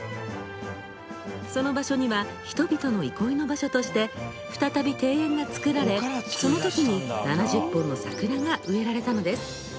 その場所には人々の憩いの場所として再び庭園が造られその時に７０本の桜が植えられたのです。